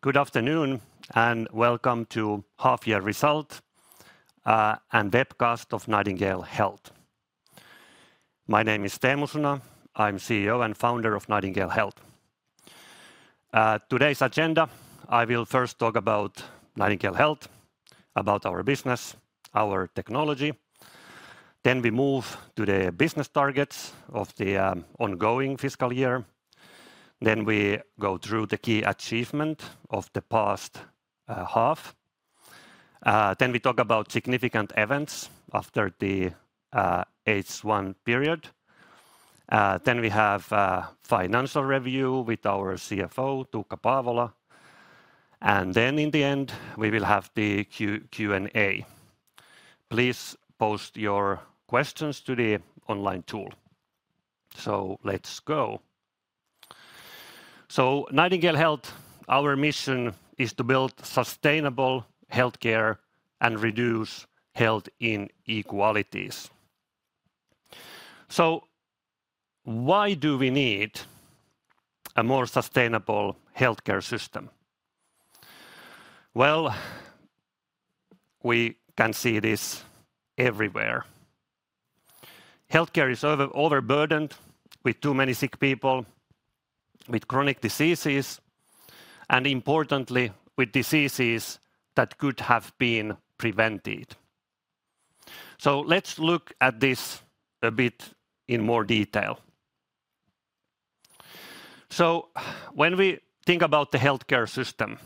Good afternoon, and welcome to half year result and webcast of Nightingale Health. My name is Teemu Suna, I'm CEO and founder of Nightingale Health. Today's agenda, I will first talk about Nightingale Health, about our business, our technology, then we move to the business targets of the ongoing fiscal year. Then we go through the key achievement of the past half. Then we talk about significant events after the H1 period. Then we have a financial review with our CFO, Tuukka Paavola, and then in the end, we will have the Q&A. Please post your questions to the online tool. So let's go. So Nightingale Health, our mission is to build sustainable healthcare and reduce health inequalities. So why do we need a more sustainable healthcare system? Well, we can see this everywhere. Healthcare is overburdened with too many sick people with chronic diseases, and importantly, with diseases that could have been prevented. So let's look at this a bit in more detail. So when we think about the healthcare system,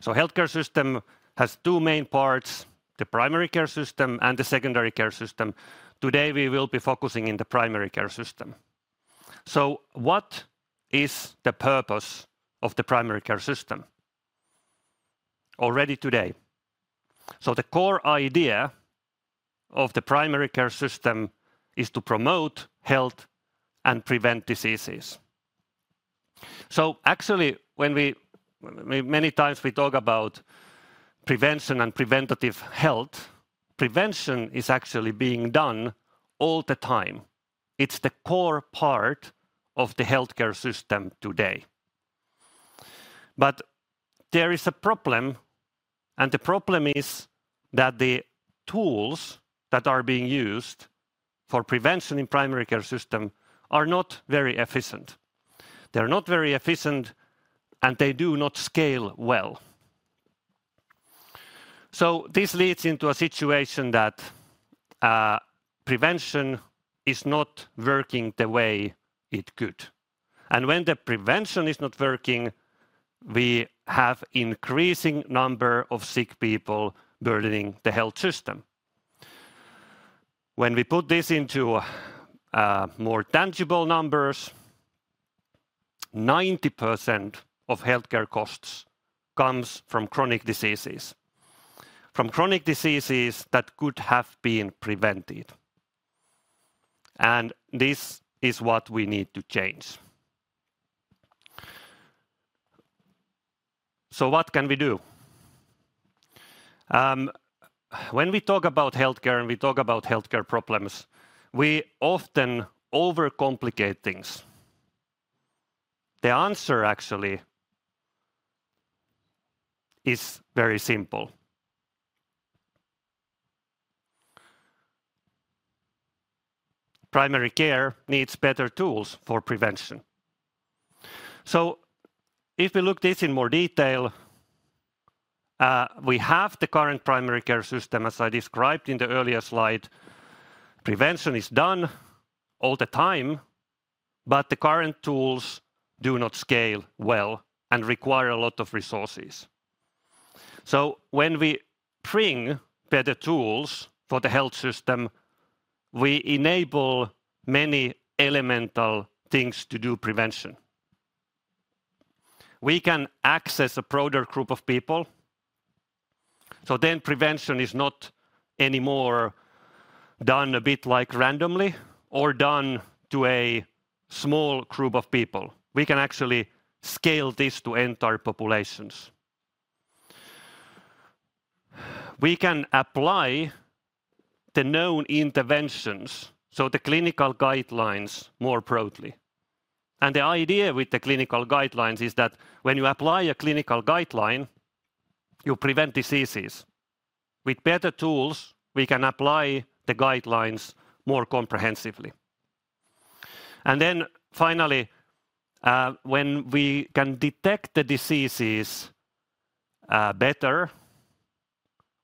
so healthcare system has two main parts: the primary care system and the secondary care system. Today, we will be focusing in the primary care system. So what is the purpose of the primary care system already today? So the core idea of the primary care system is to promote health and prevent diseases. So actually, when we many times we talk about prevention and preventive health, prevention is actually being done all the time. It's the core part of the healthcare system today. But there is a problem, and the problem is that the tools that are being used for prevention in primary care system are not very efficient. They're not very efficient, and they do not scale well. So this leads into a situation that prevention is not working the way it could, and when the prevention is not working, we have increasing number of sick people burdening the health system. When we put this into more tangible numbers, 90% of healthcare costs comes from chronic diseases, from chronic diseases that could have been prevented, and this is what we need to change. So what can we do? When we talk about healthcare, and we talk about healthcare problems, we often overcomplicate things. The answer actually is very simple. Primary care needs better tools for prevention. So if we look this in more detail, we have the current primary care system, as I described in the earlier slide. Prevention is done all the time, but the current tools do not scale well and require a lot of resources. So when we bring better tools for the health system, we enable many elemental things to do prevention. We can access a broader group of people, so then prevention is not anymore done a bit like randomly or done to a small group of people. We can actually scale this to entire populations. We can apply the known interventions, so the clinical guidelines, more broadly. The idea with the clinical guidelines is that when you apply a clinical guideline, you prevent diseases. With better tools, we can apply the guidelines more comprehensively. Finally, when we can detect the diseases better,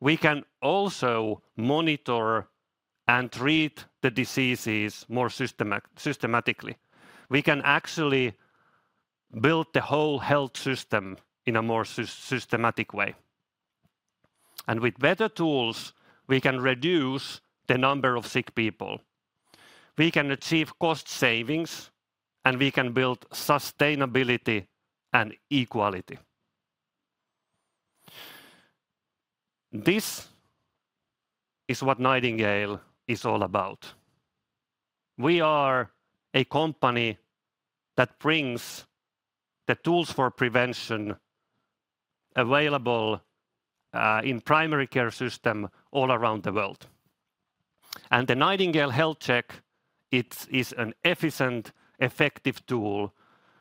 we can also monitor and treat the diseases more systematically. We can actually build the whole health system in a more systematic way, and with better tools, we can reduce the number of sick people. We can achieve cost savings, and we can build sustainability and equality. This is what Nightingale is all about. We are a company that brings the tools for prevention available in primary care system all around the world. The Nightingale Health Check, it is an efficient, effective tool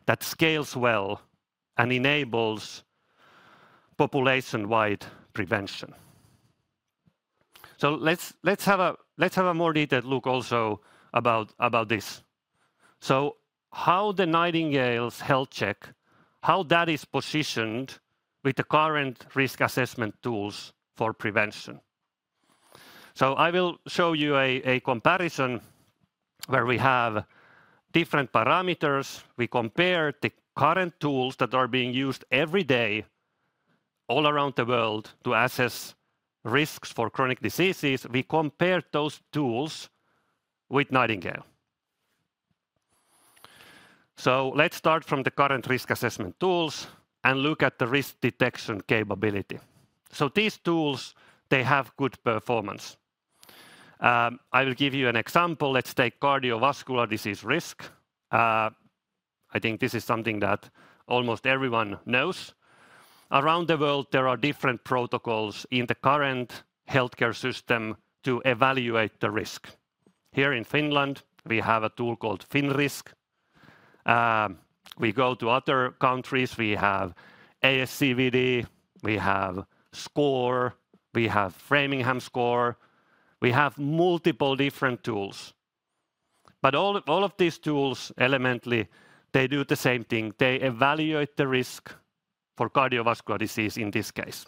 that scales well and enables population-wide prevention. So let's have a more detailed look also about this. So how the Nightingale Health Check is positioned with the current risk assessment tools for prevention? So I will show you a comparison where we have different parameters. We compare the current tools that are being used every day, all around the world, to assess risks for chronic diseases. We compare those tools with Nightingale. Let's start from the current risk assessment tools and look at the risk detection capability. These tools, they have good performance. I will give you an example. Let's take cardiovascular disease risk. I think this is something that almost everyone knows. Around the world, there are different protocols in the current healthcare system to evaluate the risk. Here in Finland, we have a tool called FINRISK. We go to other countries, we have ASCVD, we have SCORE, we have Framingham Score. We have multiple different tools. But all of these tools, elementally, they do the same thing: they evaluate the risk for cardiovascular disease, in this case.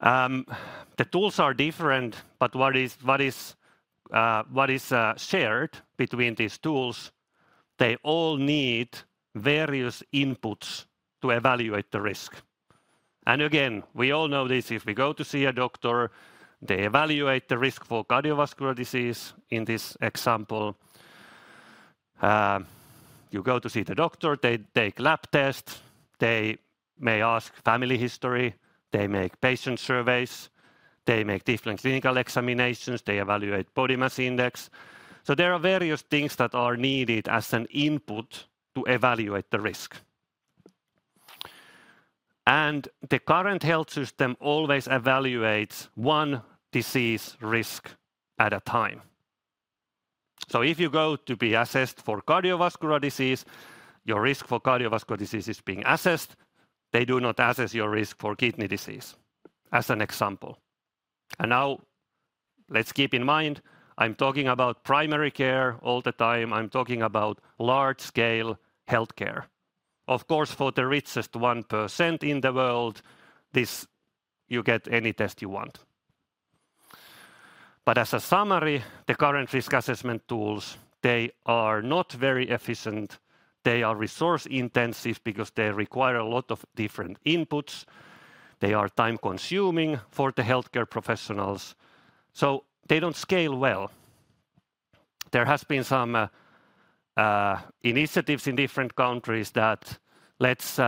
The tools are different, but what is shared between these tools, they all need various inputs to evaluate the risk. And again, we all know this, if we go to see a doctor, they evaluate the risk for cardiovascular disease, in this example. You go to see the doctor, they take lab tests, they may ask family history, they make patient surveys, they make different clinical examinations, they evaluate body mass index. So there are various things that are needed as an input to evaluate the risk. And the current health system always evaluates one disease risk at a time. So if you go to be assessed for cardiovascular disease, your risk for cardiovascular disease is being assessed, they do not assess your risk for kidney disease, as an example. And now, let's keep in mind, I'm talking about primary care all the time. I'm talking about large-scale healthcare. Of course, for the richest 1% in the world, this, you get any test you want. But as a summary, the current risk assessment tools, they are not very efficient. They are resource-intensive because they require a lot of different inputs. They are time-consuming for the healthcare professionals, so they don't scale well. There has been some initiatives in different countries that, "Let's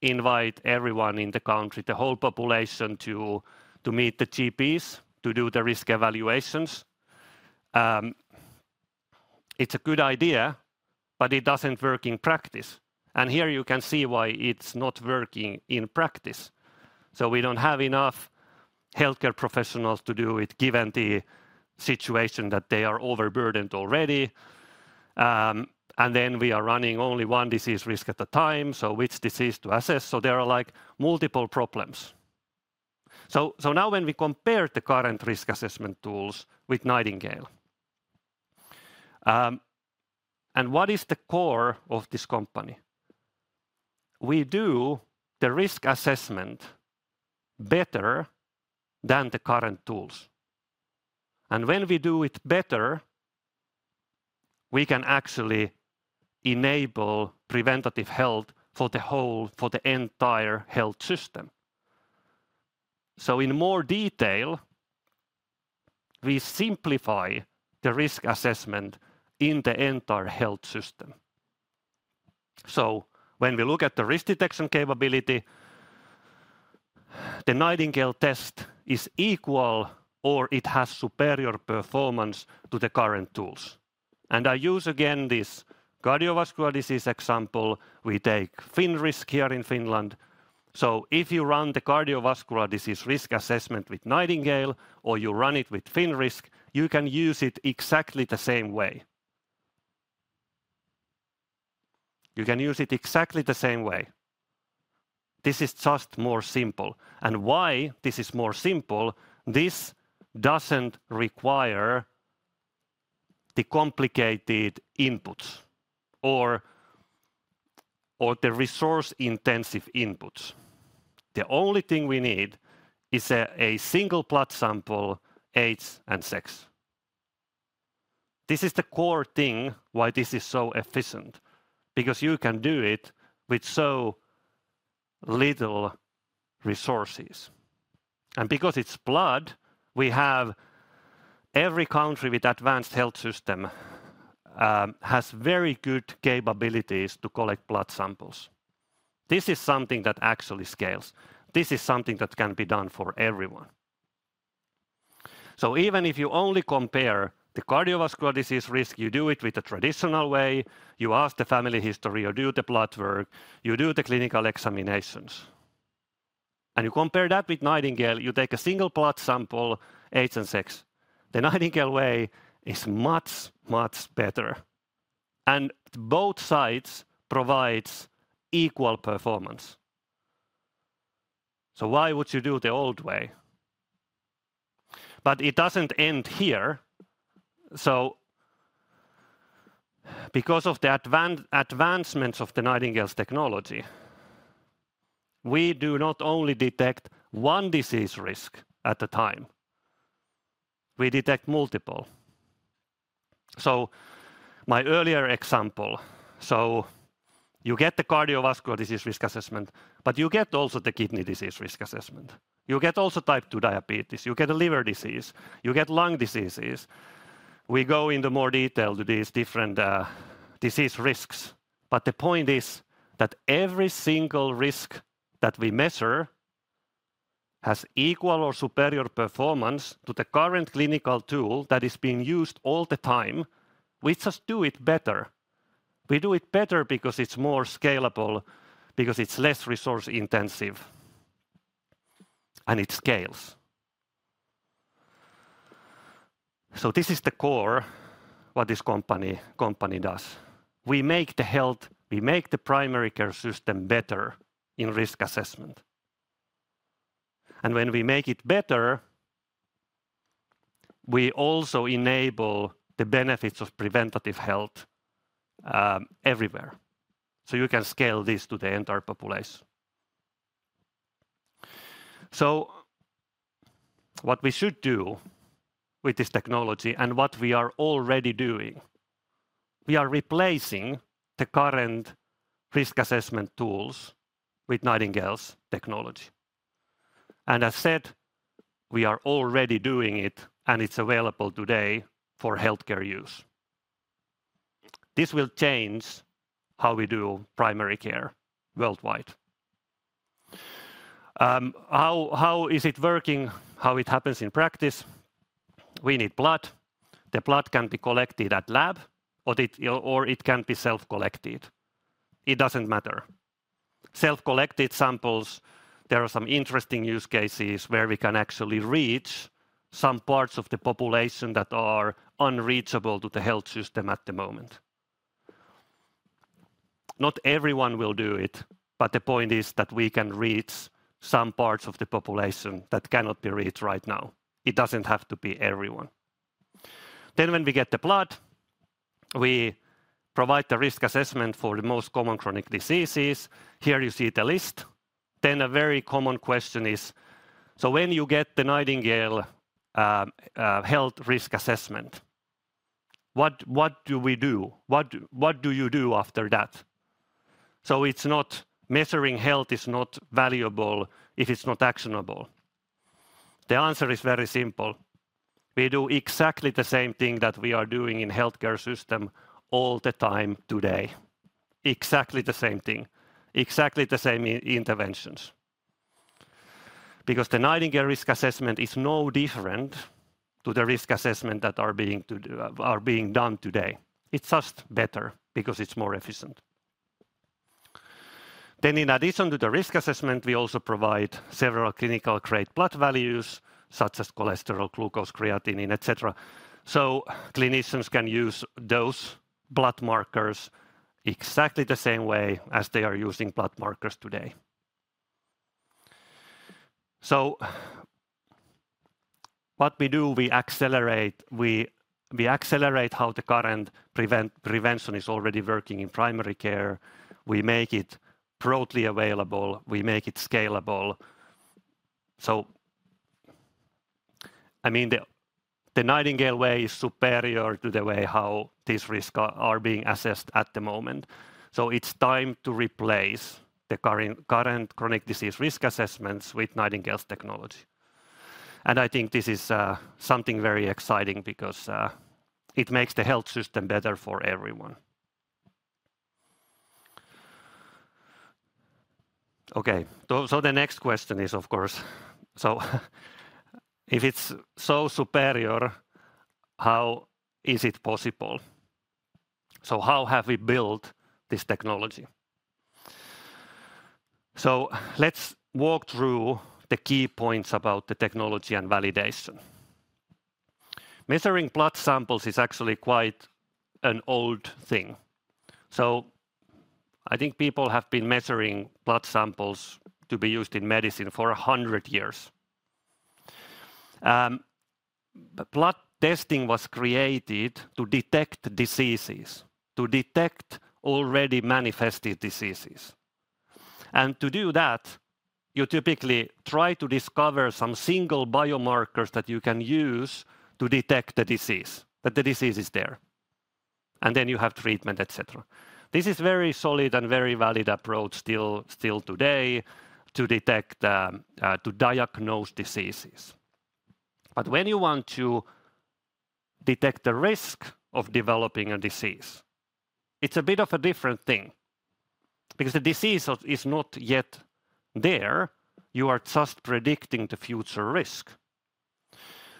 invite everyone in the country, the whole population, to meet the GPs, to do the risk evaluations." It's a good idea, but it doesn't work in practice, and here you can see why it's not working in practice. So we don't have enough healthcare professionals to do it, given the situation that they are overburdened already. And then we are running only one disease risk at a time, so which disease to assess? So there are, like, multiple problems. So now when we compare the current risk assessment tools with Nightingale, and what is the core of this company? We do the risk assessment better than the current tools, and when we do it better, we can actually enable preventative health for the whole, for the entire health system. So in more detail, we simplify the risk assessment in the entire health system. So when we look at the risk detection capability, the Nightingale test is equal, or it has superior performance to the current tools. And I use again, this cardiovascular disease example. We take FINRISK here in Finland. So if you run the cardiovascular disease risk assessment with Nightingale, or you run it with FINRISK, you can use it exactly the same way. You can use it exactly the same way. This is just more simple. And why this is more simple, this doesn't require the complicated inputs or, or the resource-intensive inputs. The only thing we need is a, a single blood sample, age, and sex. This is the core thing why this is so efficient, because you can do it with so little resources. And because it's blood, we have... Every country with advanced health system has very good capabilities to collect blood samples. This is something that actually scales. This is something that can be done for everyone. So even if you only compare the cardiovascular disease risk, you do it with the traditional way. You ask the family history or do the blood work, you do the clinical examinations... and you compare that with Nightingale, you take a single blood sample, age, and sex. The Nightingale way is much, much better, and both sides provides equal performance. So why would you do the old way? But it doesn't end here. So because of the advancements of the Nightingale's technology, we do not only detect one disease risk at a time, we detect multiple. So my earlier example, so you get the cardiovascular disease risk assessment, but you get also the kidney disease risk assessment. You get also type two diabetes, you get a liver disease, you get lung diseases. We go into more detail to these different disease risks. But the point is, that every single risk that we measure has equal or superior performance to the current clinical tool that is being used all the time. We just do it better. We do it better because it's more scalable, because it's less resource intensive, and it scales. So this is the core, what this company, company does. We make the primary care system better in risk assessment. When we make it better, we also enable the benefits of preventative health everywhere. You can scale this to the entire population. What we should do with this technology, and what we are already doing, we are replacing the current risk assessment tools with Nightingale's technology. As said, we are already doing it, and it's available today for healthcare use. This will change how we do primary care worldwide. How is it working? How it happens in practice? We need blood. The blood can be collected at lab, or it can be self-collected. It doesn't matter. Self-collected samples, there are some interesting use cases where we can actually reach some parts of the population that are unreachable to the health system at the moment. Not everyone will do it, but the point is that we can reach some parts of the population that cannot be reached right now. It doesn't have to be everyone. Then when we get the blood, we provide the risk assessment for the most common chronic diseases. Here you see the list. Then a very common question is: so when you get the Nightingale health risk assessment, what do we do? What do you do after that? So it's not. Measuring health is not valuable if it's not actionable. The answer is very simple. We do exactly the same thing that we are doing in healthcare system all the time today. Exactly the same thing, exactly the same interventions. Because the Nightingale risk assessment is no different to the risk assessment that are being done today. It's just better because it's more efficient. Then in addition to the risk assessment, we also provide several clinical grade blood values, such as cholesterol, glucose, creatinine, et cetera. So clinicians can use those blood markers exactly the same way as they are using blood markers today. So what we do, we accelerate how the current prevention is already working in primary care. We make it broadly available. We make it scalable. So, I mean, the Nightingale way is superior to the way how these risks are being assessed at the moment. So it's time to replace the current chronic disease risk assessments with Nightingale's technology. And I think this is something very exciting because it makes the health system better for everyone. Okay. So the next question is, of course, so if it's so superior, how is it possible? So how have we built this technology? So let's walk through the key points about the technology and validation. Measuring blood samples is actually quite an old thing. So I think people have been measuring blood samples to be used in medicine for 100 years. The blood testing was created to detect diseases, to detect already manifested diseases. And to do that, you typically try to discover some single biomarkers that you can use to detect the disease, that the disease is there, and then you have treatment, et cetera. This is very solid and very valid approach, still, still today, to detect, to diagnose diseases. But when you want to detect the risk of developing a disease, it's a bit of a different thing, because the disease is not yet there, you are just predicting the future risk.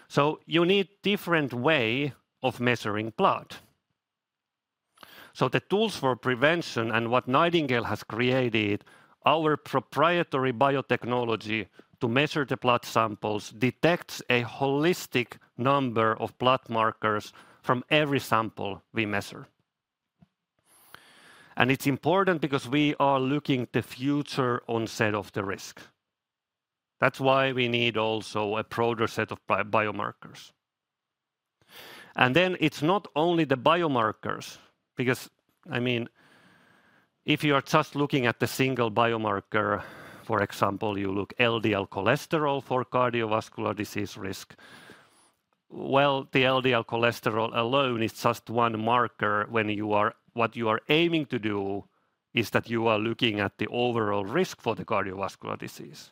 So you need different way of measuring blood. So the tools for prevention and what Nightingale has created, our proprietary biotechnology to measure the blood samples, detects a holistic number of blood markers from every sample we measure. And it's important because we are looking the future onset of the risk. That's why we need also a broader set of biomarkers. And then it's not only the biomarkers, because, I mean, if you are just looking at the single biomarker, for example, you look LDL cholesterol for cardiovascular disease risk. Well, the LDL cholesterol alone is just one marker when what you are aiming to do, is that you are looking at the overall risk for the cardiovascular disease.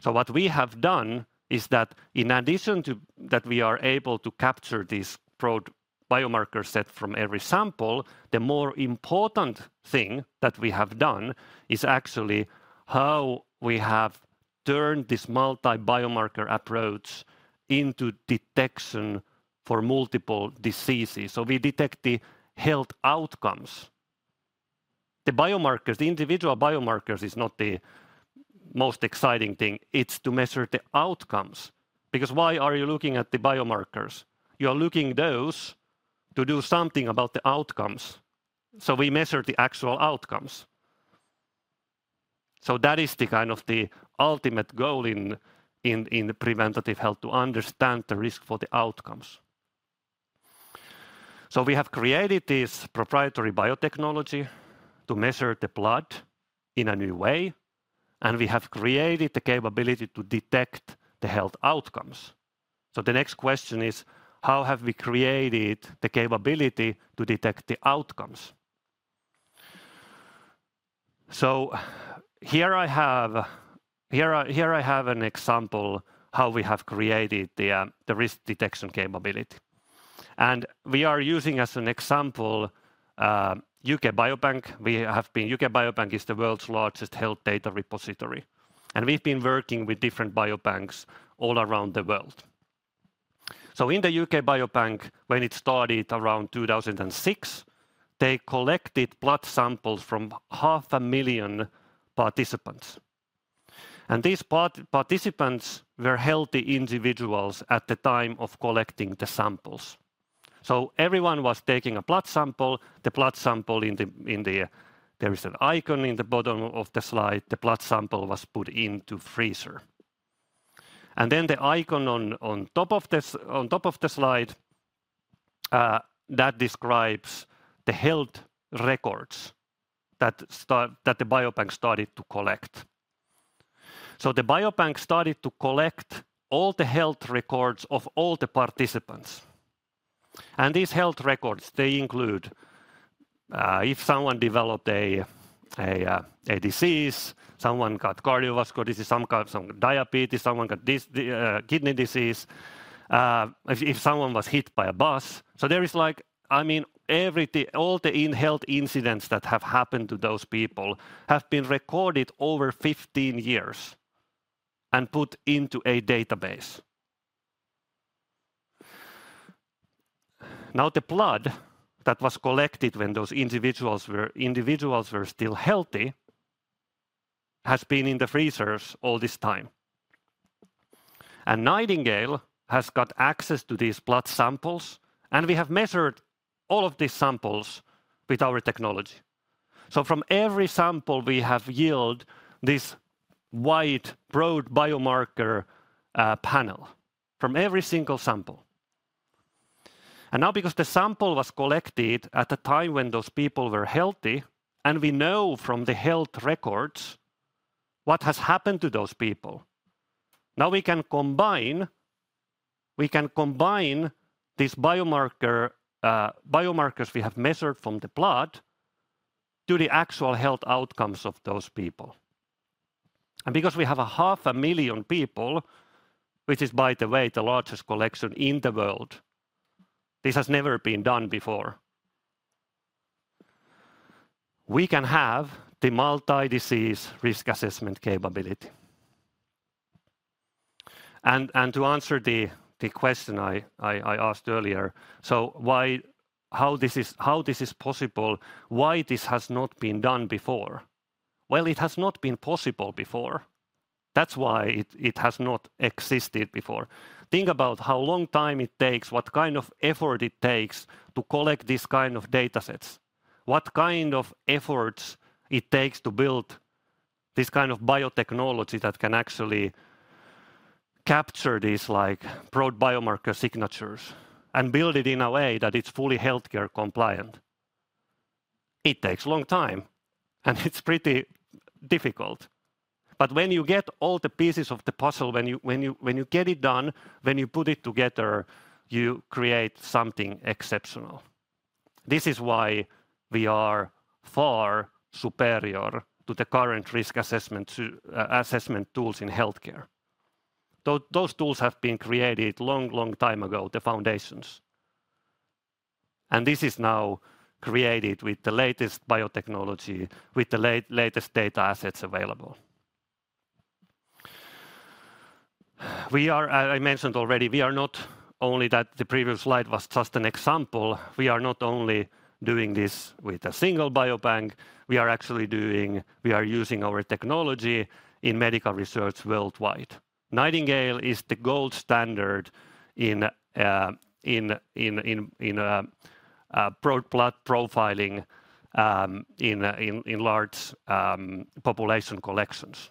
So what we have done is that in addition to that, we are able to capture this broad biomarker set from every sample. The more important thing that we have done is actually how we have turned this multi-biomarker approach into detection for multiple diseases. So we detect the health outcomes. The biomarkers, the individual biomarkers, is not the most exciting thing; it's to measure the outcomes. Because why are you looking at the biomarkers? You are looking those to do something about the outcomes, so we measure the actual outcomes. So that is the kind of the ultimate goal in preventative health, to understand the risk for the outcomes. So we have created this proprietary biotechnology to measure the blood in a new way, and we have created the capability to detect the health outcomes. So the next question is: how have we created the capability to detect the outcomes? So here I have an example how we have created the risk detection capability. And we are using as an example UK Biobank. UK Biobank is the world's largest health data repository, and we've been working with different biobanks all around the world. So in the UK Biobank, when it started around 2006, they collected blood samples from 500,000 participants, and these participants were healthy individuals at the time of collecting the samples. So everyone was taking a blood sample. The blood sample in the... There is an icon in the bottom of the slide. The blood sample was put into freezer. And then the icon on top of the slide that describes the health records that the biobank started to collect. So the biobank started to collect all the health records of all the participants. And these health records, they include if someone developed a disease, someone got cardiovascular disease, someone got some diabetes, someone got kidney disease, if someone was hit by a bus. So there is like, I mean, everything, all the health incidents that have happened to those people, have been recorded over 15 years and put into a database. Now, the blood that was collected when those individuals were still healthy has been in the freezers all this time. And Nightingale has got access to these blood samples, and we have measured all of these samples with our technology. So from every sample, we have yield this wide, broad biomarker panel. From every single sample. And now, because the sample was collected at the time when those people were healthy, and we know from the health records what has happened to those people, now we can combine, we can combine this biomarker biomarkers we have measured from the blood to the actual health outcomes of those people. And because we have 500,000 people, which is, by the way, the largest collection in the world, this has never been done before. We can have the multi-disease risk assessment capability. And to answer the question I asked earlier, so why, how this is possible? Why this has not been done before? Well, it has not been possible before. That's why it has not existed before. Think about how long time it takes, what kind of effort it takes to collect this kind of datasets, what kind of efforts it takes to build this kind of biotechnology that can actually capture these, like, broad biomarker signatures, and build it in a way that it's fully healthcare compliant. It takes a long time, and it's pretty difficult. But when you get all the pieces of the puzzle, when you get it done, when you put it together, you create something exceptional. This is why we are far superior to the current risk assessment to assessment tools in healthcare. Those tools have been created long, long time ago, the foundations. And this is now created with the latest biotechnology, with the latest data assets available.... We are, as I mentioned already, we are not only that, the previous slide was just an example. We are not only doing this with a single biobank, we are actually doing—we are using our technology in medical research worldwide. Nightingale is the gold standard in blood profiling in large population collections.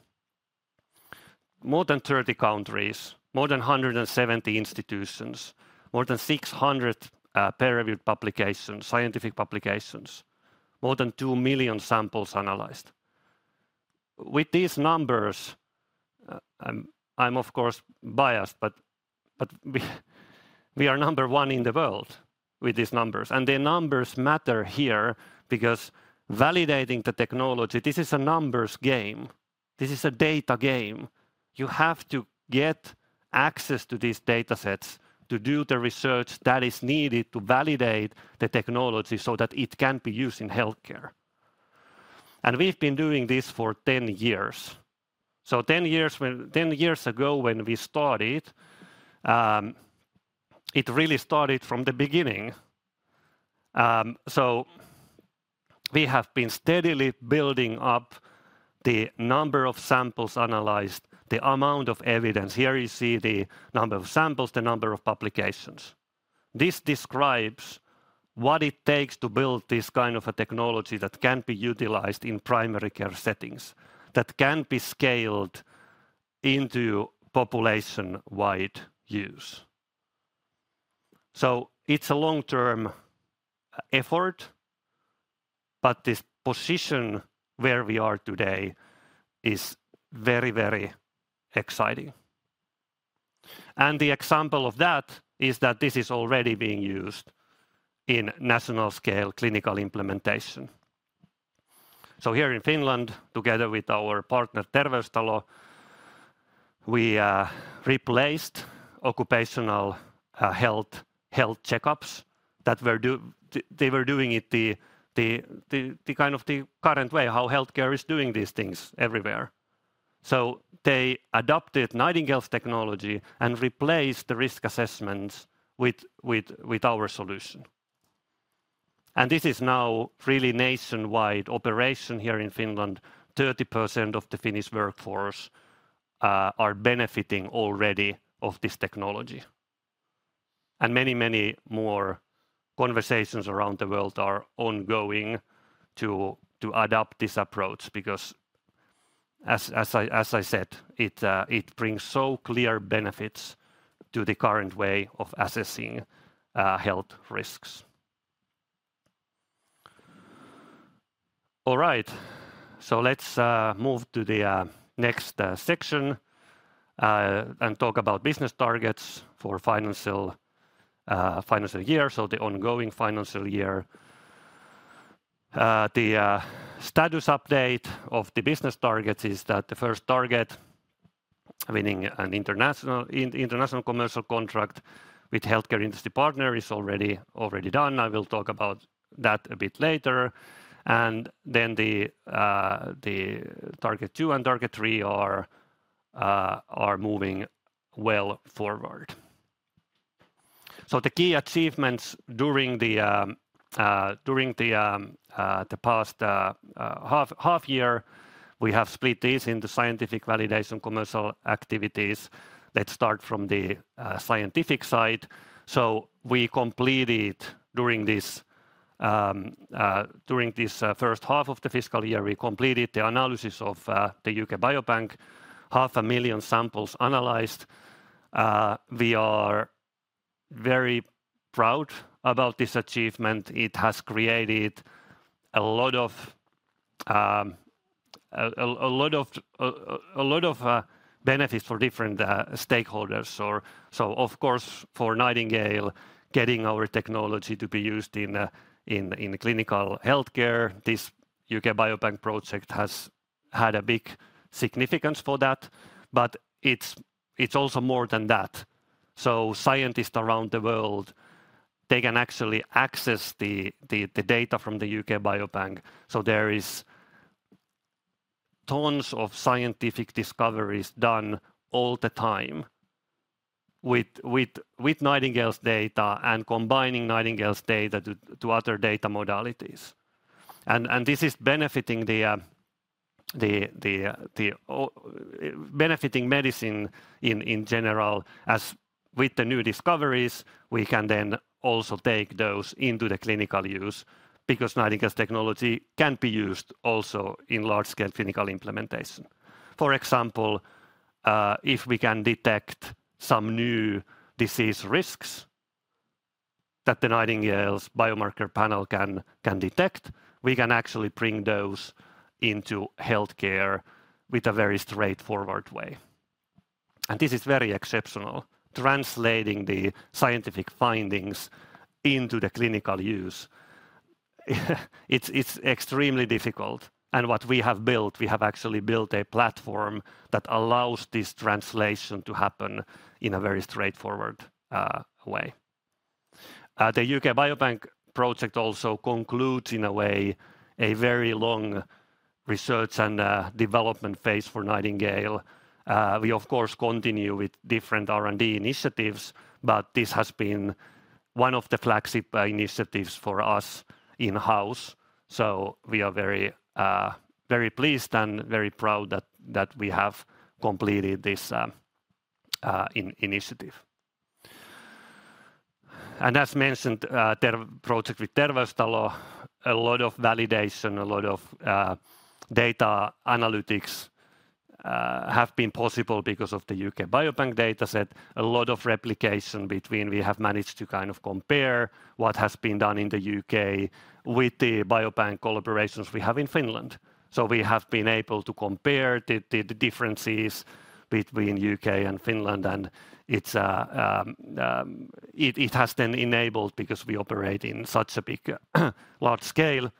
More than 30 countries, more than 170 institutions, more than 600 peer-reviewed publications, scientific publications, more than 2 million samples analyzed. With these numbers, I'm of course biased, but we are number one in the world with these numbers. The numbers matter here because validating the technology, this is a numbers game, this is a data game. You have to get access to these datasets to do the research that is needed to validate the technology so that it can be used in healthcare. And we've been doing this for 10 years. So 10 years ago, when we started, it really started from the beginning. So we have been steadily building up the number of samples analyzed, the amount of evidence. Here you see the number of samples, the number of publications. This describes what it takes to build this kind of a technology that can be utilized in primary care settings, that can be scaled into population-wide use. So it's a long-term effort, but this position where we are today is very, very exciting. And the example of that is that this is already being used in national scale clinical implementation. So here in Finland, together with our partner, Terveystalo, we replaced occupational health checkups that they were doing in the kind of current way, how healthcare is doing these things everywhere. So they adopted Nightingale's technology and replaced the risk assessments with our solution. And this is now really nationwide operation here in Finland. 30% of the Finnish workforce are benefiting already of this technology. And many more conversations around the world are ongoing to adopt this approach, because as I said, it brings so clear benefits to the current way of assessing health risks. All right. So let's move to the next section and talk about business targets for financial year, so the ongoing financial year. The status update of the business targets is that the first target, winning an international commercial contract with healthcare industry partner, is already done. I will talk about that a bit later. And then the target 2 and target 3 are moving well forward. So the key achievements during the past half year, we have split this into scientific validation, commercial activities that start from the scientific side. So we completed during this first half of the fiscal year, we completed the analysis of the UK Biobank, 500,000 samples analyzed. We are very proud about this achievement. It has created a lot of benefits for different stakeholders. So, of course, for Nightingale, getting our technology to be used in clinical healthcare, this UK Biobank project has had a big significance for that, but it's also more than that. So scientists around the world, they can actually access the data from the UK Biobank. So there is tons of scientific discoveries done all the time with Nightingale's data and combining Nightingale's data to other data modalities. And this is benefiting medicine in general, as with the new discoveries, we can then also take those into the clinical use, because Nightingale's technology can be used also in large-scale clinical implementation. For example, if we can detect some new disease risks that the Nightingale's biomarker panel can detect, we can actually bring those into healthcare with a very straightforward way. And this is very exceptional, translating the scientific findings into the clinical use. It's extremely difficult, and what we have built, we have actually built a platform that allows this translation to happen in a very straightforward way. The UK Biobank project also concludes, in a way, a very long research and development phase for Nightingale. We, of course, continue with different R&D initiatives, but this has been one of the flagship initiatives for us in-house. So we are very pleased and very proud that we have completed this initiative. As mentioned, the project with Terveystalo, a lot of validation, a lot of data analytics have been possible because of the UK Biobank dataset. A lot of replication between. We have managed to kind of compare what has been done in the UK with the biobank collaborations we have in Finland. So we have been able to compare the differences between UK and Finland, and it has then enabled, because we operate in such a big, large scale,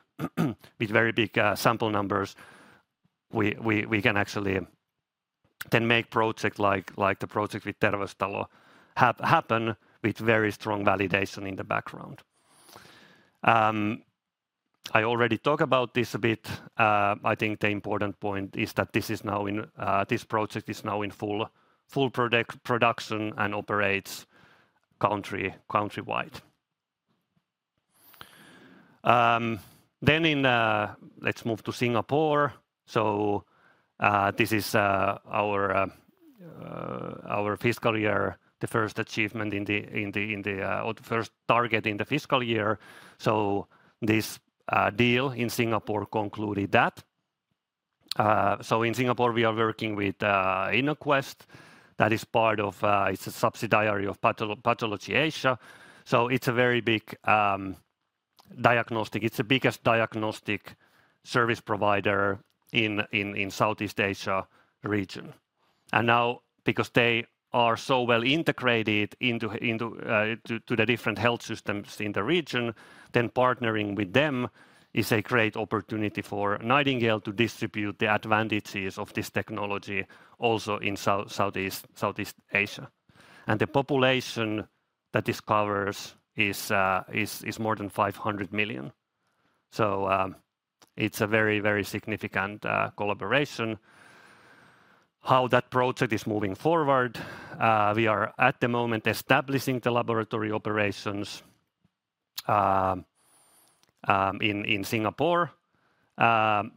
with very big sample numbers, we can actually then make project like the project with Terveystalo happen with very strong validation in the background. I already talk about this a bit. I think the important point is that this project is now in full production and operates countrywide. Let's move to Singapore. So this is the first achievement in the fiscal year or the first target in the fiscal year. So this deal in Singapore concluded that. So in Singapore, we are working with Innoquest, that is part of. It's a subsidiary of Pathology Asia. So it's a very big diagnostic. It's the biggest diagnostic service provider in Southeast Asia region. Because they are so well integrated into the different health systems in the region, then partnering with them is a great opportunity for Nightingale to distribute the advantages of this technology also in Southeast Asia. And the population that this covers is more than 500 million. So, it's a very, very significant collaboration. How that project is moving forward, we are at the moment establishing the laboratory operations in Singapore.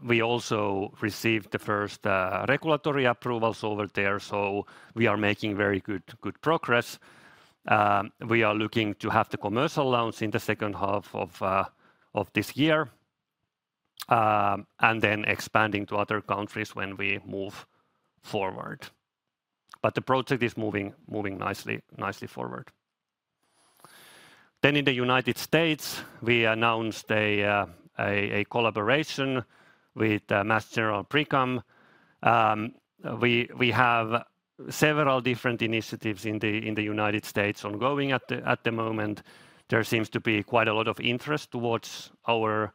We also received the first regulatory approvals over there, so we are making very good, good progress. We are looking to have the commercial launch in the second half of this year, and then expanding to other countries when we move forward. But the project is moving nicely forward. Then in the United States, we announced a collaboration with Mass General Brigham. We have several different initiatives in the United States ongoing at the moment. There seems to be quite a lot of interest towards our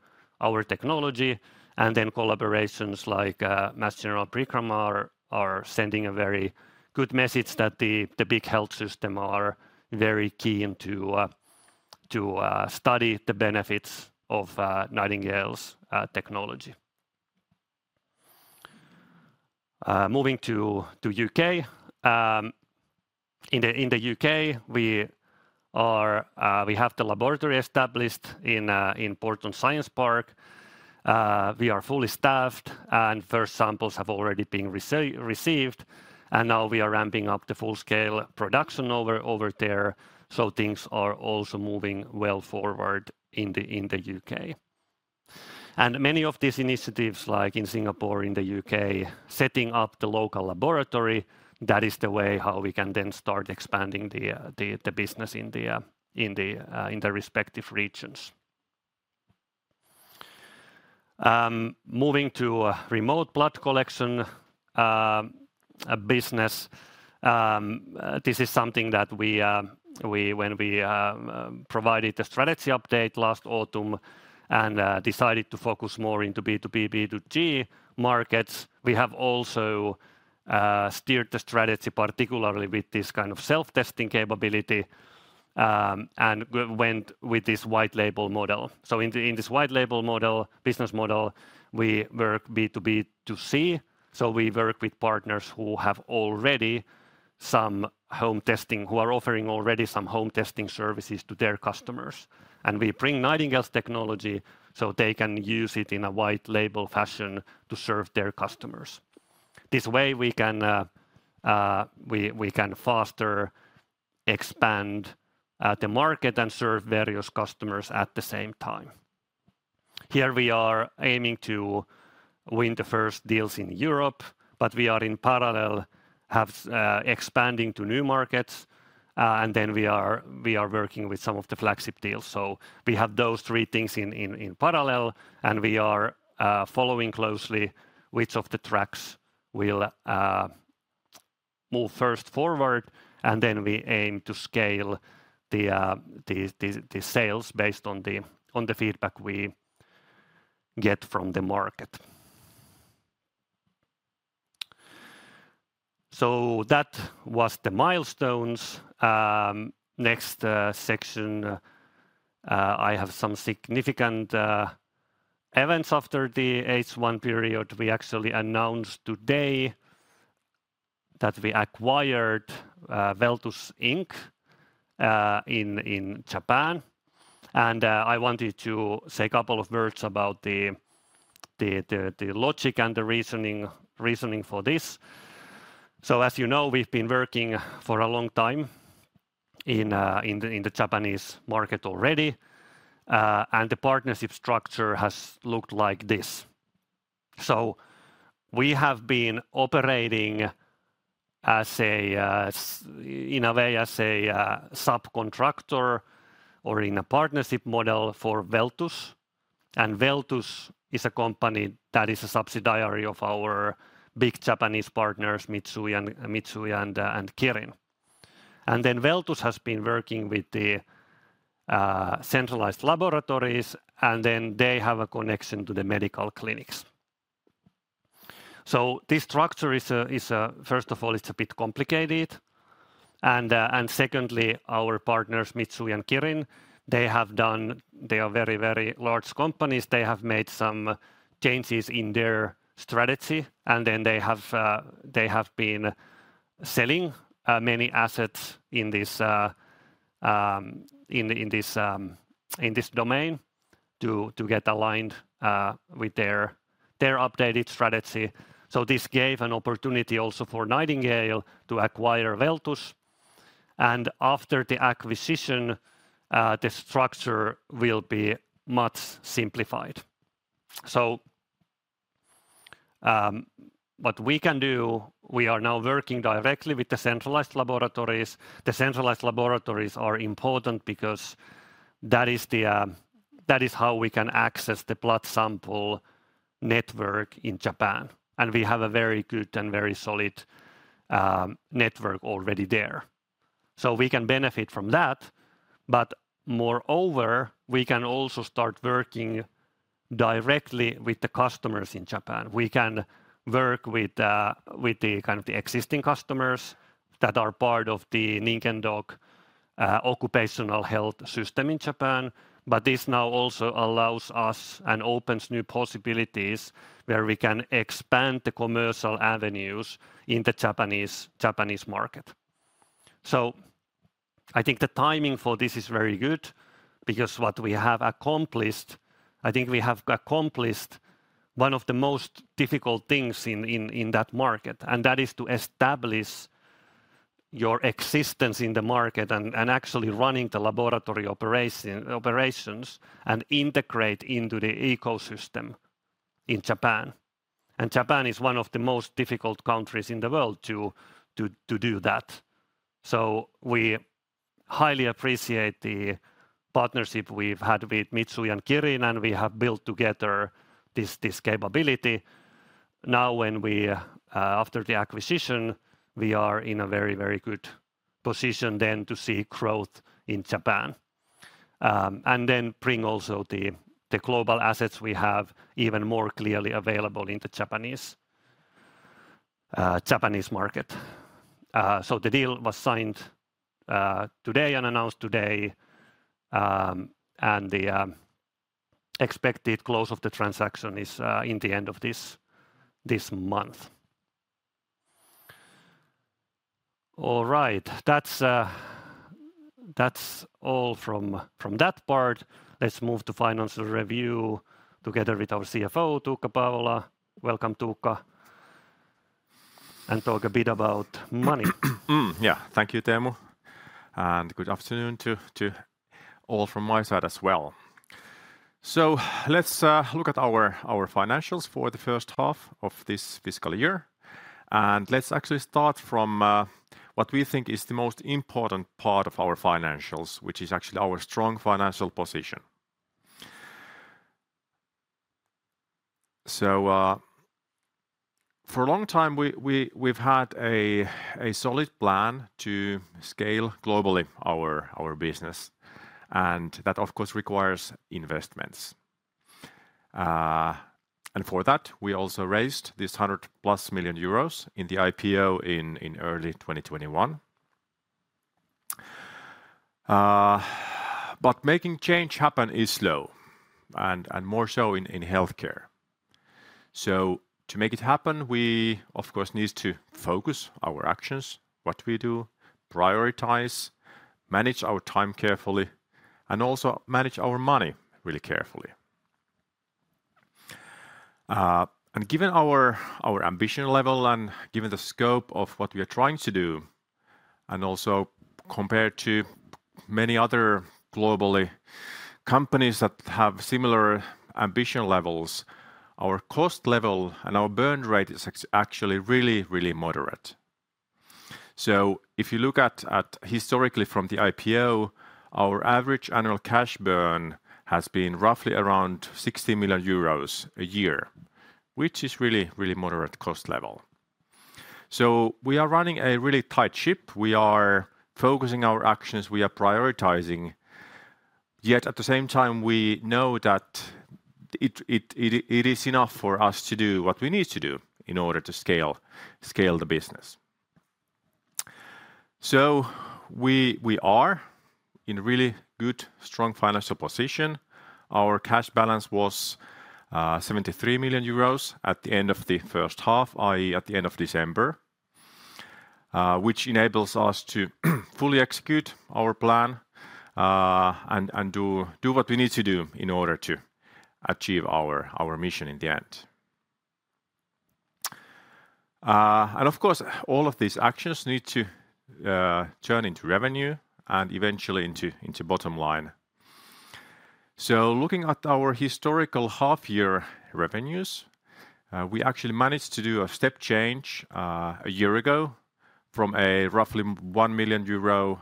technology, and then collaborations like Mass General Brigham are sending a very good message that the big health system are very keen to study the benefits of Nightingale's technology. Moving to the U.K. In the U.K., we have the laboratory established in Porton Science Park. We are fully staffed, and first samples have already been received, and now we are ramping up the full-scale production over there, so things are also moving well forward in the U.K. Many of these initiatives, like in Singapore, in the UK, setting up the local laboratory, that is the way how we can then start expanding the business in the respective regions. Moving to remote blood collection business. This is something that we, when we provided the strategy update last autumn and decided to focus more into B2B, B2G markets, we have also steered the strategy, particularly with this kind of self-testing capability, and we went with this white label model. So in this white label model, business model, we work B2B2C, so we work with partners who have already some home testing, who are offering already some home testing services to their customers. We bring Nightingale's technology so they can use it in a white label fashion to serve their customers. This way, we can faster expand the market and serve various customers at the same time. Here we are aiming to win the first deals in Europe, but we are in parallel expanding to new markets, and then we are working with some of the flagship deals. So we have those three things in parallel, and we are following closely which of the tracks will move first forward, and then we aim to scale the sales based on the feedback we get from the market. So that was the milestones. Next section, I have some significant events after the H1 period. We actually announced today that we acquired Welltus Inc. in Japan. And I wanted to say a couple of words about the logic and the reasoning for this. So as you know, we've been working for a long time in the Japanese market already, and the partnership structure has looked like this. So we have been operating as, in a way, as a subcontractor or in a partnership model for Welltus. And Welltus is a company that is a subsidiary of our big Japanese partners, Mitsui and Kirin. And then Welltus has been working with the centralized laboratories, and then they have a connection to the medical clinics. So this structure is a, is a... First of all, it's a bit complicated, and secondly, our partners, Mitsui and Kirin, they have done. They are very, very large companies. They have made some changes in their strategy, and then they have been selling many assets in this domain to get aligned with their updated strategy. So this gave an opportunity also for Nightingale to acquire Welltus, and after the acquisition, the structure will be much simplified. So, what we can do, we are now working directly with the centralized laboratories. The centralized laboratories are important because that is how we can access the blood sample network in Japan, and we have a very good and very solid network already there. So we can benefit from that, but moreover, we can also start working directly with the customers in Japan. We can work with, with the kind of the existing customers that are part of the Ningen Dock occupational health system in Japan. But this now also allows us and opens new possibilities where we can expand the commercial avenues in the Japanese market. So I think the timing for this is very good because what we have accomplished, I think we have accomplished one of the most difficult things in that market, and that is to establish your existence in the market and actually running the laboratory operations and integrate into the ecosystem in Japan. And Japan is one of the most difficult countries in the world to do that. So we highly appreciate the partnership we've had with Mitsui and Kirin, and we have built together this, this capability. Now, when we, after the acquisition, we are in a very, very good position then to see growth in Japan. And then bring also the, the global assets we have even more clearly available in the Japanese, Japanese market. So the deal was signed, today and announced today, and the, expected close of the transaction is, in the end of this, this month. All right. That's, that's all from, from that part. Let's move to financial review together with our CFO, Tuukka Paavola. Welcome, Tuukka, and talk a bit about money. Yeah. Thank you, Teemu, and good afternoon to all from my side as well. So let's look at our financials for the first half of this fiscal year, and let's actually start from what we think is the most important part of our financials, which is actually our strong financial position. So, for a long time, we've had a solid plan to scale globally our business, and that, of course, requires investments. And for that, we also raised 100+ million euros in the IPO in early 2021. But making change happen is slow and more so in healthcare. So to make it happen, we of course needs to focus our actions, what we do, prioritize, manage our time carefully, and also manage our money really carefully. And given our ambition level and given the scope of what we are trying to do, and also compared to many other global companies that have similar ambition levels, our cost level and our burn rate is actually really, really moderate. So if you look at historically from the IPO, our average annual cash burn has been roughly around 60 million euros a year, which is really, really moderate cost level. So we are running a really tight ship. We are focusing our actions. We are prioritizing. Yet at the same time, we know that it is enough for us to do what we need to do in order to scale the business. So we are in a really good, strong financial position. Our cash balance was 73 million euros at the end of the first half, i.e., at the end of December, which enables us to fully execute our plan and do what we need to do in order to achieve our mission in the end. Of course, all of these actions need to turn into revenue and eventually into bottom line. Looking at our historical half-year revenues, we actually managed to do a step change a year ago from a roughly 1 million euro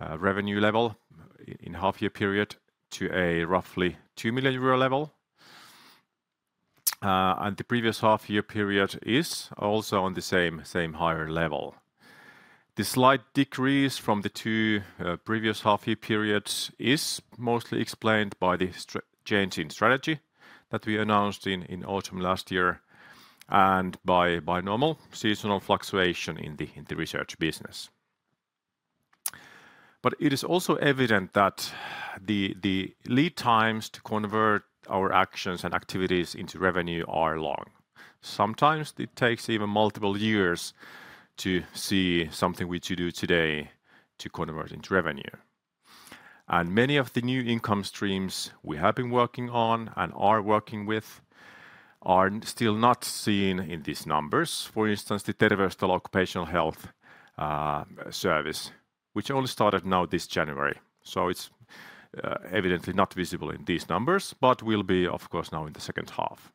revenue level in half-year period to a roughly 2 million euro level. The previous half-year period is also on the same higher level. The slight decrease from the two previous half-year periods is mostly explained by the change in strategy that we announced in autumn last year, and by normal seasonal fluctuation in the research business. But it is also evident that the lead times to convert our actions and activities into revenue are long. Sometimes it takes even multiple years to see something which you do today to convert into revenue. And many of the new income streams we have been working on and are working with are still not seen in these numbers. For instance, the Terveystalo occupational health service, which only started now this January, so it's evidently not visible in these numbers, but will be, of course, now in the second half.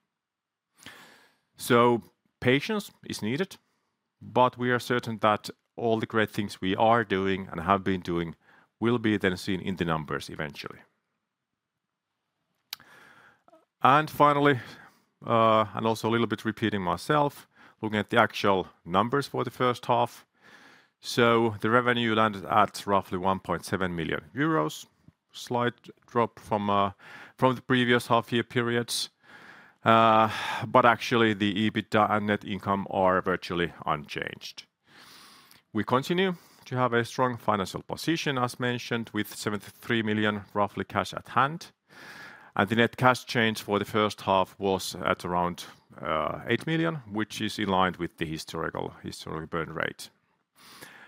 Patience is needed, but we are certain that all the great things we are doing and have been doing will be then seen in the numbers eventually. And finally, and also a little bit repeating myself, looking at the actual numbers for the first half, so the revenue landed at roughly 1.7 million euros. Slight drop from, from the previous half-year periods, but actually, the EBITDA and net income are virtually unchanged. We continue to have a strong financial position, as mentioned, with roughly 73 million cash at hand, and the net cash change for the first half was at around, eight million, which is in line with the historical, historical burn rate.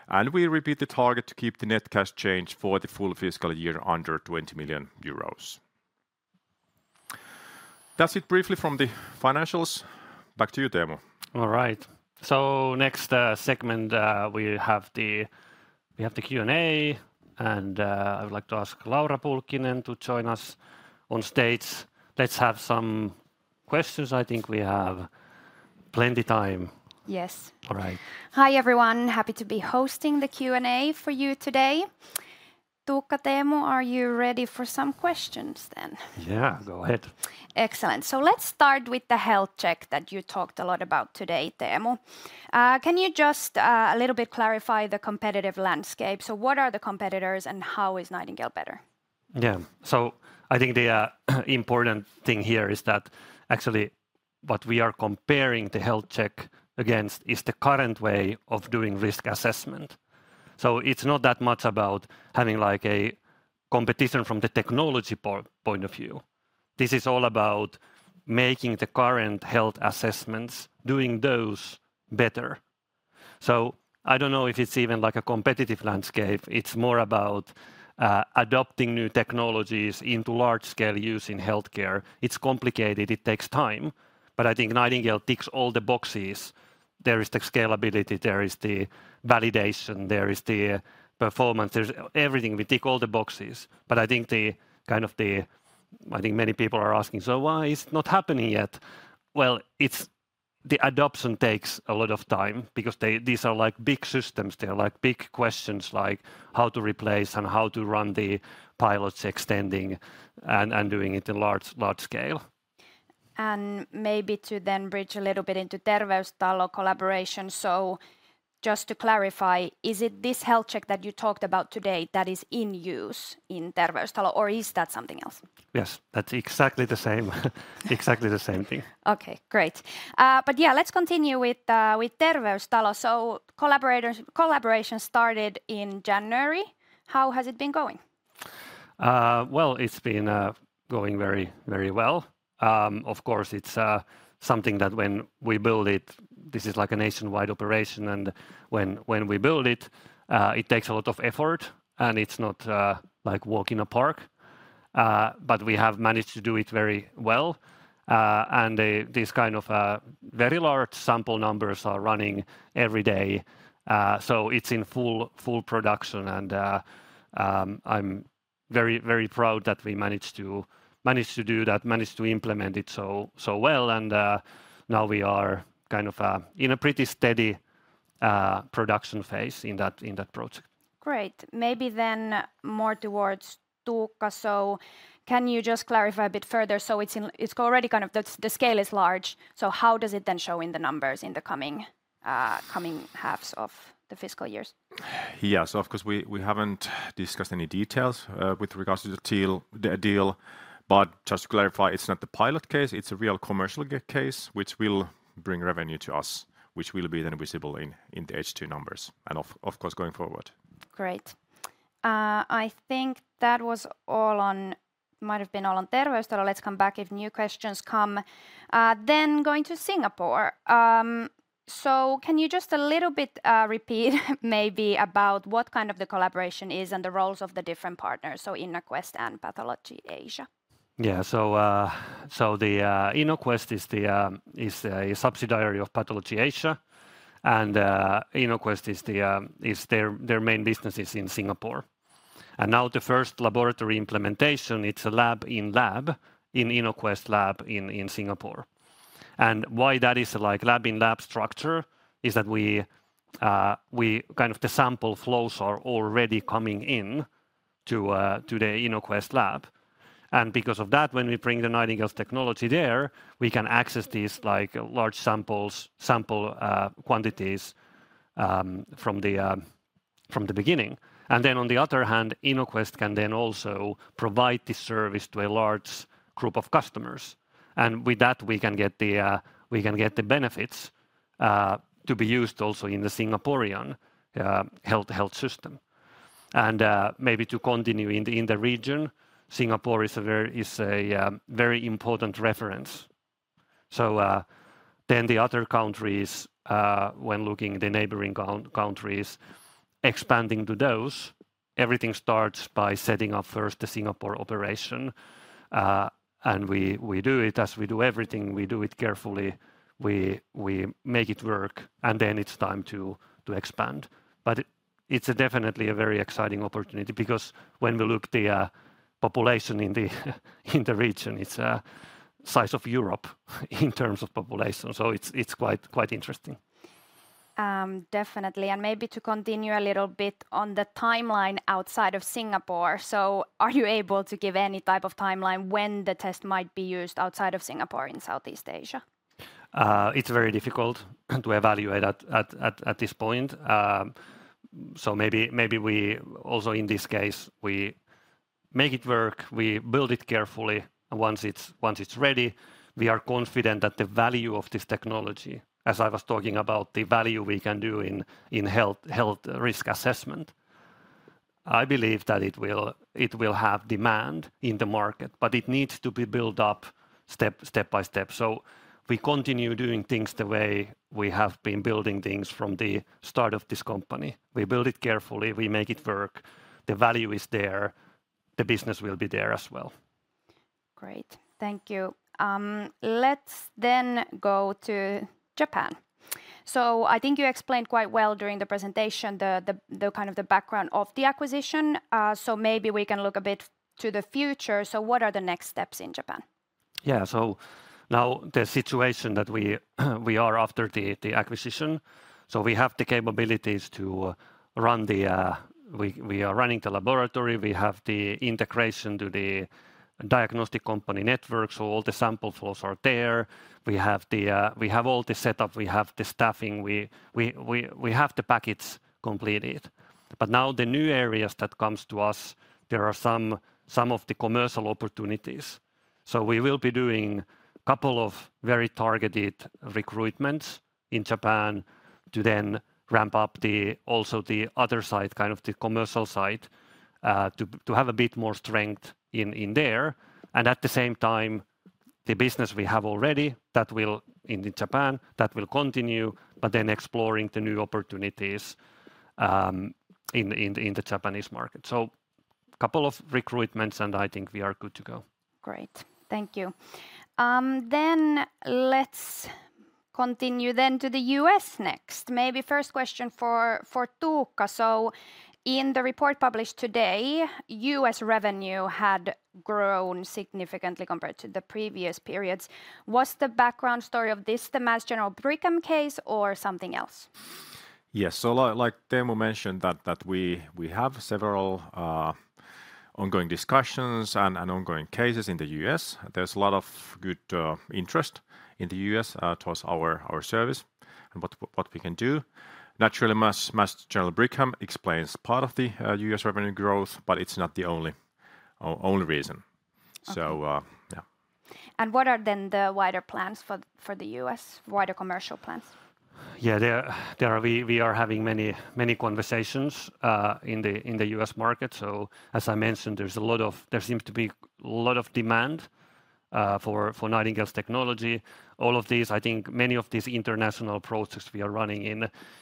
And we repeat the target to keep the net cash change for the full fiscal year under 20 million euros. That's it briefly from the financials. Back to you, Teemu. All right. So next, segment, we have the Q&A, and I would like to ask Laura Pulkkinen to join us on stage. Let's have some questions. I think we have plenty time. Yes. All right. Hi, everyone. Happy to be hosting the Q&A for you today. Tuukka, Teemu, are you ready for some questions, then? Yeah, go ahead. Excellent. So let's start with the Nightingale Health Check that you talked a lot about today, Teemu. Can you just a little bit clarify the competitive landscape? So what are the competitors and how is Nightingale better? Yeah. So I think the important thing here is that actually what we are comparing the Health Check against is the current way of doing risk assessment. So it's not that much about having, like, a competition from the technology point of view. This is all about making the current health assessments, doing those better. So I don't know if it's even like a competitive landscape. It's more about adopting new technologies into large-scale use in healthcare. It's complicated. It takes time, but I think Nightingale ticks all the boxes. There is the scalability, there is the validation, there is the performance, there's everything. We tick all the boxes, but I think the kind of the... I think many people are asking: "So why is it not happening yet?" Well, it's the adoption takes a lot of time because these are like big systems. They are like big questions, like how to replace and how to run the pilots, extending and doing it in large, large scale. Maybe to then bridge a little bit into Terveystalo collaboration, so just to clarify, is it this HealthCheck that you talked about today that is in use in Terveystalo, or is that something else? Yes, that's exactly the same. Exactly the same thing. Okay, great. But yeah, let's continue with Terveystalo. So collaboration started in January. How has it been going? Well, it's been going very, very well. Of course, it's something that when we build it, this is like a nationwide operation, and when, when we build it, it takes a lot of effort, and it's not like walk in a park. But we have managed to do it very well, and these kind of very large sample numbers are running every day. So it's in full, full production, and I'm very, very proud that we managed to, managed to do that, managed to implement it so, so well, and now we are kind of in a pretty steady production phase in that, in that project. Great. Maybe then more towards Tuukka, so can you just clarify a bit further? So it's already kind of the, the scale is large, so how does it then show in the numbers in the coming halves of the fiscal years? Yeah, so of course, we haven't discussed any details with regards to the deal, but just to clarify, it's not the pilot case, it's a real commercial case, which will bring revenue to us, which will be then visible in the H2 numbers, and of course, going forward. Great. I think that was all on, might have been all on Terveystalo. Let's come back if new questions come. Then going to Singapore. So can you just a little bit, repeat maybe about what kind of the collaboration is and the roles of the different partners, so InnoQuest and Pathology Asia? Yeah. So, InnoQuest is a subsidiary of Pathology Asia, and InnoQuest is their main business in Singapore. And now, the first laboratory implementation, it's a lab-in-lab in InnoQuest lab in Singapore. And why that is like lab-in-lab structure is that the sample flows are already coming in to the InnoQuest lab, and because of that, when we bring the Nightingale technology there, we can access these, like, large sample quantities from the beginning. And then on the other hand, InnoQuest can then also provide this service to a large group of customers, and with that we can get the benefits to be used also in the Singaporean health system. Maybe to continue in the region, Singapore is a very important reference. So, then the other countries, when looking at the neighboring countries, expanding to those, everything starts by setting up first the Singapore operation. And we do it as we do everything, we do it carefully, we make it work, and then it's time to expand. But it's definitely a very exciting opportunity because when we look the population in the region, it's size of Europe in terms of population, so it's quite interesting. Definitely. Maybe to continue a little bit on the timeline outside of Singapore, so are you able to give any type of timeline when the test might be used outside of Singapore in Southeast Asia? It's very difficult to evaluate at this point. So maybe we also in this case, we make it work, we build it carefully, and once it's ready, we are confident that the value of this technology, as I was talking about, the value we can do in health risk assessment, I believe that it will have demand in the market, but it needs to be built up step by step. So we continue doing things the way we have been building things from the start of this company. We build it carefully, we make it work, the value is there, the business will be there as well. Great. Thank you. Let's then go to Japan. So I think you explained quite well during the presentation the kind of the background of the acquisition. So maybe we can look a bit to the future. So what are the next steps in Japan? Yeah. So now the situation that we are after the acquisition, so we have the capabilities to run the we are running the laboratory, we have the integration to the diagnostic company network, so all the sample flows are there. We have all the setup, we have the staffing, we have the package completed. But now, the new areas that comes to us, there are some of the commercial opportunities. So we will be doing couple of very targeted recruitments in Japan to then ramp up the also the other side, kind of the commercial side, to have a bit more strength in there. At the same time, the business we have already, that will in Japan, that will continue, but then exploring the new opportunities in the Japanese market. So couple of recruitments, and I think we are good to go. Great. Thank you. Then let's continue then to the U.S. next. Maybe first question for, for Tuukka. So in the report published today, U.S. revenue had grown significantly compared to the previous periods. Was the background story of this the Mass General Brigham case or something else? Yes. So like Teemu mentioned, that we have several ongoing discussions and ongoing cases in the US. There's a lot of good interest in the US towards our service and what we can do. Naturally, Mass General Brigham explains part of the US revenue growth, but it's not the only reason. Okay. Yeah. What are then the wider plans for the U.S., wider commercial plans? Yeah, there are... We are having many conversations in the U.S. market. So as I mentioned, there seems to be a lot of demand for Nightingale's technology. All of these, I think many of these international projects we are running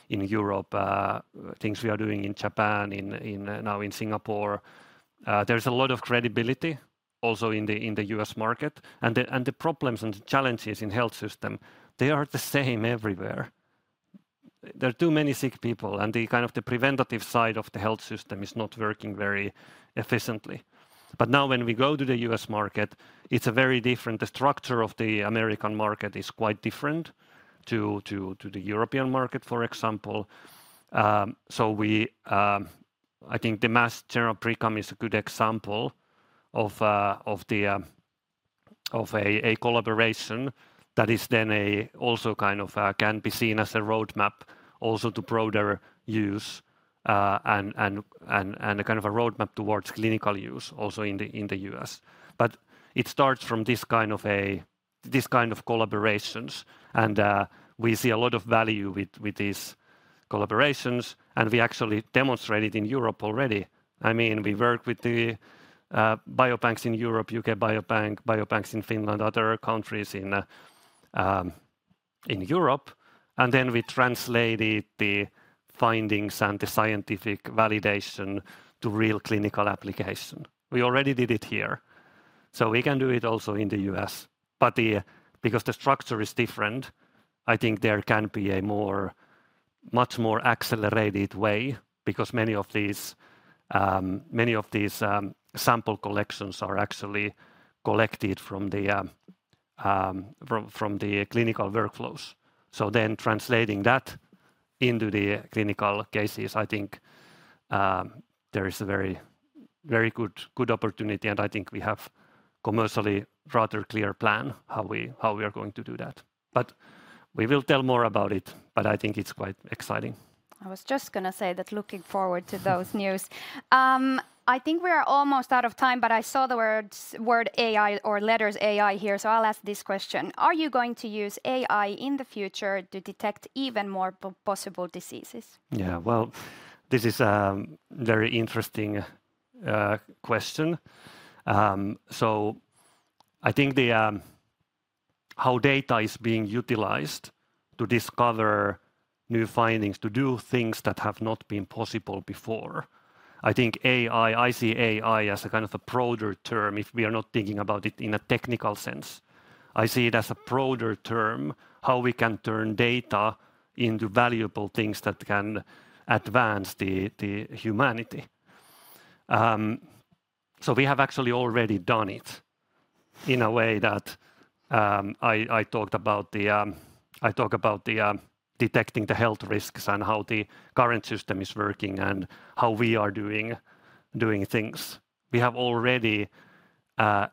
in Europe, things we are doing in Japan, now in Singapore, there's a lot of credibility also in the U.S. market. And the problems and challenges in health system, they are the same everywhere. There are too many sick people, and the kind of the preventative side of the health system is not working very efficiently. But now, when we go to the U.S. market, it's very different. The structure of the American market is quite different to the European market, for example. So we... I think the Mass General Brigham is a good example of a collaboration that is then also kind of can be seen as a roadmap also to broader use, and a kind of a roadmap towards clinical use also in the U.S. But it starts from this kind of collaborations, and we see a lot of value with these collaborations, and we actually demonstrate it in Europe already. I mean, we work with the biobanks in Europe, UK Biobank, biobanks in Finland, other countries in Europe, and then we translated the findings and the scientific validation to real clinical application. We already did it here, so we can do it also in the U.S. But because the structure is different, I think there can be a much more accelerated way, because many of these sample collections are actually collected from the clinical workflows. So then translating that into the clinical cases, I think there is a very good opportunity, and I think we have commercially rather clear plan how we are going to do that. But we will tell more about it, but I think it's quite exciting. I was just gonna say that looking forward to those news. I think we are almost out of time, but I saw the words, word AI or letters AI here, so I'll ask this question: Are you going to use AI in the future to detect even more possible diseases? Yeah, well, this is a very interesting question. So I think how data is being utilized to discover new findings, to do things that have not been possible before. I think AI, I see AI as a kind of a broader term, if we are not thinking about it in a technical sense. I see it as a broader term, how we can turn data into valuable things that can advance the humanity. So we have actually already done it in a way that I talked about the detecting the health risks and how the current system is working and how we are doing things. We have already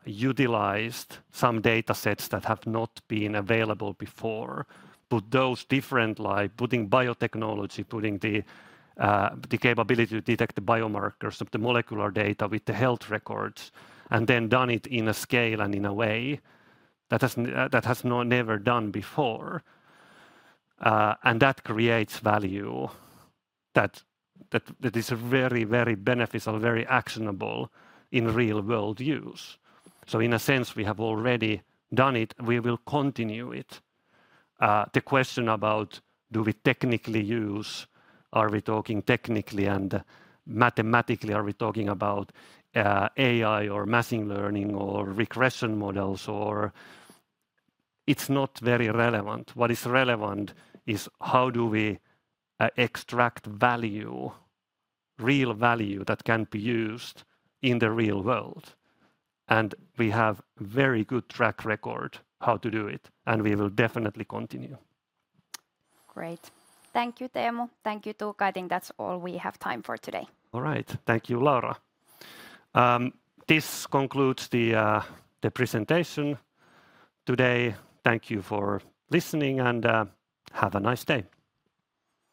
utilized some data sets that have not been available before, but those different, like putting biotechnology, putting the capability to detect the biomarkers of the molecular data with the health records, and then done it in a scale and in a way that has never been done before. And that creates value that, that, that is very, very beneficial, very actionable in real world use. So in a sense, we have already done it. We will continue it. The question about do we technically use, are we talking technically and mathematically, are we talking about AI or machine learning or regression models or ... It's not very relevant. What is relevant is how do we extract value, real value, that can be used in the real world? We have very good track record how to do it, and we will definitely continue. Great. Thank you, Teemu. Thank you, Tuukka. I think that's all we have time for today. All right. Thank you, Laura. This concludes the presentation today. Thank you for listening, and have a nice day.